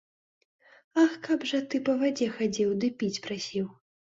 Ах каб жа ты па вадзе хадзіў ды піць прасіў.